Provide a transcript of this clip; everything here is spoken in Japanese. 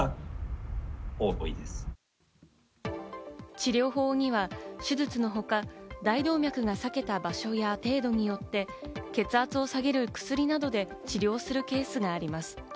治療法には手術のほか大動脈が裂けた場所や程度によって、血圧を下げる薬などで治療するケースがあります。